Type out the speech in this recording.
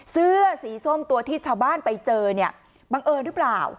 เสื้อสีส้มตัวที่ชาวบ้านไปเจอเนี่ยบังเอิญหรือเปล่า